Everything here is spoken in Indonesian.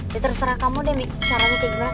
dia terserah kamu deh caranya kayak gimana